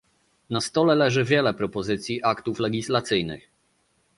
Na stole leży wiele propozycji aktów legislacyjnych